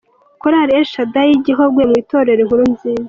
Korali El Shaddai y'i Gihogwe mu itorero Inkuru Nziza.